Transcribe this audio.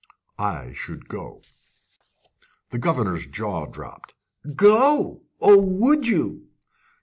"I should go." The governor's jaw dropped. "Go? Oh, would you!"